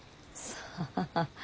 さあ？